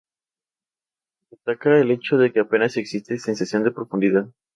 Destaca el hecho de que apenas existe sensación de profundidad.